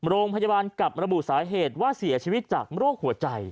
โรงพยาบาลกลับระบุสาเหตุว่าเสียชีวิตจากโรคหัวใจ